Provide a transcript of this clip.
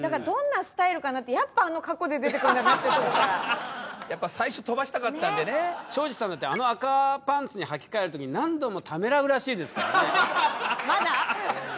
どんなスタイルかなってやっぱあの格好で出てくるんだなってやっぱ最初飛ばしたかったんでね庄司さんだってあの赤パンツにはきかえる時に何度もためらうらしいですからねまだ？